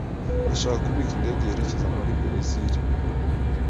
Ndashaka kubika indege yerekeza muri Berezile.